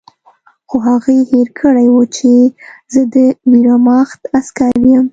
خو هغې هېر کړي وو چې زه د ویرماخت عسکر یم